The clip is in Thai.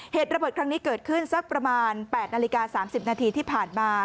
เหตุระเบิดครั้งนี้เกิดขึ้นสักประมาณ๘นาฬิกา๓๐นาทีที่ผ่านมา